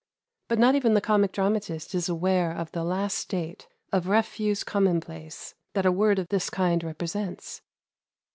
But not even the comic dramatist is aware of the last state of refuse commonplace that a word of this kind represents.